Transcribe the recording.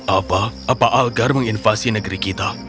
apa apa algar menginvasi negeri kita